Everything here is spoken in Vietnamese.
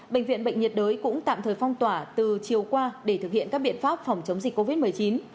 bệnh viện bệnh nhiệt đới cũng tạm thời phong tỏa từ chiều qua để thực hiện các biện pháp phòng chống dịch covid một mươi chín